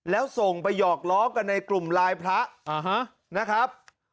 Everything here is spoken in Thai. แล้วส่งไปหยอกล้อกันในกลุ่มไลน์พระนะครับ